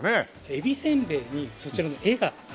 えびせんべいにそちらの絵が描かれている。